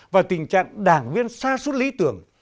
và tình trạng đảng viên xa xuất lý tưởng